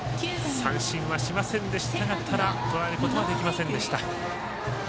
三振はしませんでしたがただ、とらえることはできませんでした。